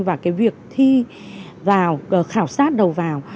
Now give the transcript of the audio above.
và cái việc thi vào khảo sát đầu vào